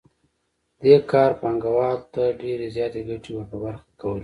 دې کار پانګوال ته ډېرې زیاتې ګټې ور په برخه کولې